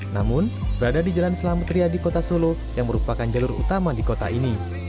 namun berada di jalan selamat riyadi kota solo yang merupakan jalur utama di kota ini